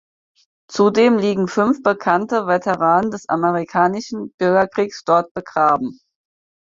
Zudem liegen fünf bekannte Veteranen des Amerikanischen Bürgerkriegs dort begraben.